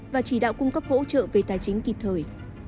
và chỉ đạo cung cấp hỗ trợ về tài chính kịp thời